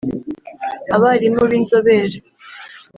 abarimu b’inzobere